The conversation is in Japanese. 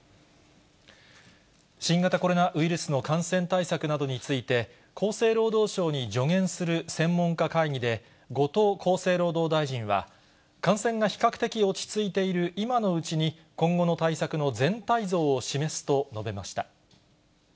新型コロナウイルスの感染対策などについて、厚生労働省に助言する専門家会議で、後藤厚生労働大臣は、感染が比較的落ち着いている今のうちに、今後の対策の全体像を示すと述べました。